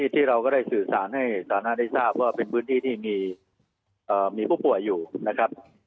ที่เราก็ได้สื่อสารให้สามารถได้ทราบว่าเป็นพื้นที่ที่มีผู้ป่วยอยู่นะครับ